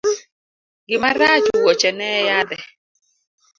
Gima rach, wuoche ne e yadhe.